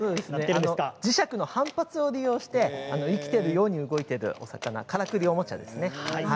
磁石の反発を利用して生きているように動くからくりおもちゃですね。